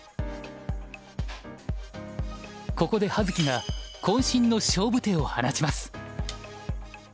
ここで葉月がこん身の勝負手を放ちます。